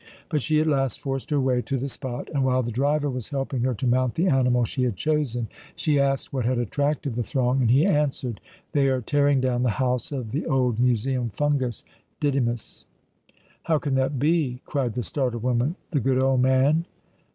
But she at last forced her way to the spot and, while the driver was helping her to mount the animal she had chosen, she asked what had attracted the throng, and he answered: "They are tearing down the house of the old Museum fungus, Didymus." "How can that be?" cried the startled woman. "The good old man!"